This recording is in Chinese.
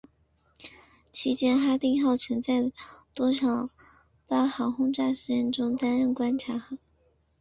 期间哈定号曾在多场靶舰轰炸实验中担任观察舰。